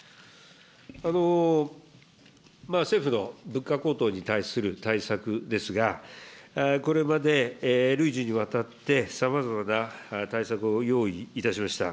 政府の物価高騰に対する対策ですが、これまで累次にわたって、さまざまな対策を用意いたしました。